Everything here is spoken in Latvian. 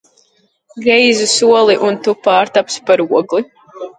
Greizu soli un tu pārtapsi par ogli!